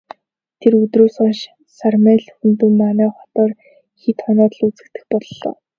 Тэр өдрөөс хойш Сармай Лхүндэв манай хотоор хэд хоноод л үзэгдэх боллоо.